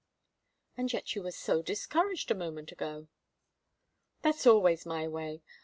"And yet you were so discouraged a moment ago." "That's always my way.